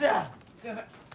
すみません！